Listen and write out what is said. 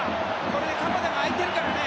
これで鎌田が空いてるからね。